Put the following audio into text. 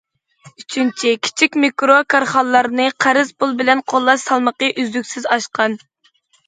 ئۈچىنچى، كىچىك، مىكرو كارخانىلارنى قەرز پۇل بىلەن قوللاش سالمىقى ئۈزلۈكسىز ئاشقان.